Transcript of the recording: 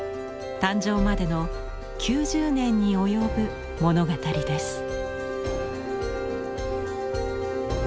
誕生までの９０年に及ぶ物語です。